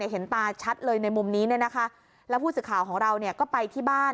เห็นตาชัดเลยในมุมนี้แล้วผู้สื่อข่าวของเราก็ไปที่บ้าน